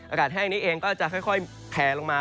อากาศแห้งนี้เองก็จะค่อยแผลลงมา